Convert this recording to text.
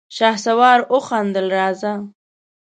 شهسوار وخندل: راځه!